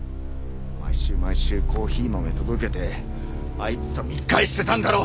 毎週毎週コーヒー豆届けてあいつと密会してたんだろ！？